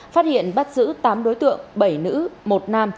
phát hiện bắt giữ tám đối tượng bảy nữ một nam